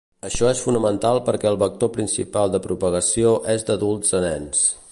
Això és fonamental perquè el vector principal de propagació és d’adults a nens.